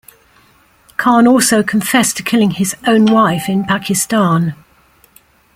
Khan also confessed to killing his own wife in Pakistan.